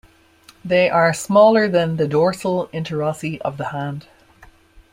They are smaller than the dorsal interossei of the hand.